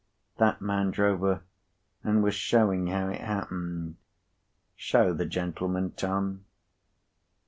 That man drove her, and was showing how it happened. Show the gentleman, Tom."